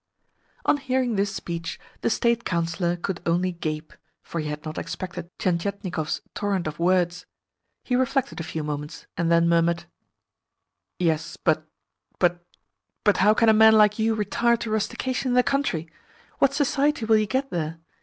On hearing this speech, the State Councillor could only gape, for he had not expected Tientietnikov's torrent of words. He reflected a few moments, and then murmured: "Yes, but, but but how can a man like you retire to rustication in the country? What society will you get there?